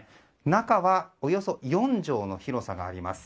中はおよそ４畳の広さがあります。